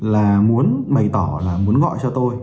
là muốn bày tỏ là muốn gọi cho tôi